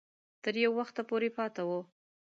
تر یو وخته پورې پاته وو.